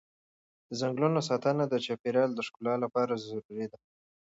د ځنګلونو ساتنه د چاپېر یال د ښکلا لپاره ضروري ده.